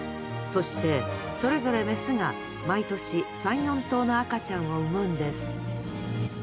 そしてそれぞれメスが毎年３４頭の赤ちゃんを産むんです